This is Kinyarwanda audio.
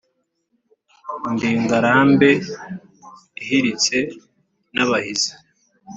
ndi ngarambe ihiritse n’abahizi